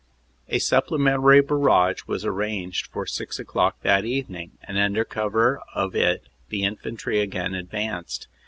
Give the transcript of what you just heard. "A supplementary barrage was arranged for six o clock that evening, and under cover of it the infantry again advanced.